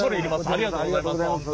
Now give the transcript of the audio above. ありがとうございます。